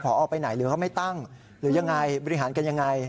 พอไปไหนหรือเขาไม่ตั้งหรือยังไงบริหารกันยังไง